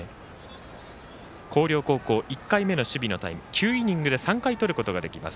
広陵高校、１回目の守備のタイム９イニングで３回とることができます。